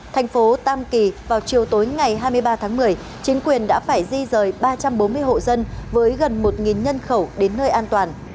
thành phố tam kỳ vào chiều tối ngày hai mươi ba tháng một mươi chính quyền đã phải di rời ba trăm bốn mươi hộ dân với gần một nhân khẩu đến nơi an toàn